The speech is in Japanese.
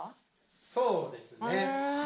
そうですね。